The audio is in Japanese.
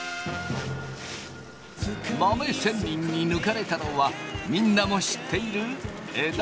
豆仙人に抜かれたのはみんなも知っている枝豆。